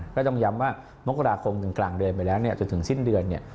ก็ต้องย้ำว่ามกราคมถึงกลางเดือนไปแล้วจนถึงสิ้นเดือนเนี่ย